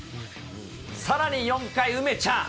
さらに４回、梅ちゃん。